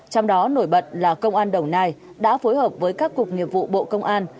trong đó nổi bật là công an đồng nai đã phối hợp với các cục nghiệp vụ bộ công an